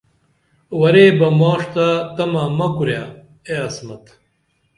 ورے بہ ماݜ تہ تمہ مہ کُرے اے عصمت